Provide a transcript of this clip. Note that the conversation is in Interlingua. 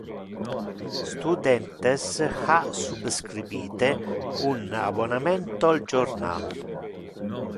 Studentes ha subscribite un abonamento al jornal.